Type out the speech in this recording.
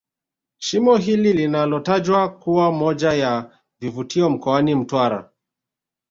Shimo hili linalotajwa kuwa moja ya vivutio mkoani Mtwara